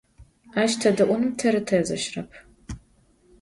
Aş têde'unım teri têzeşrep.